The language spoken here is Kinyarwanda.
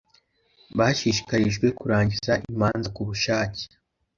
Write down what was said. bashishikarijwe kurangiza imanza ku bushake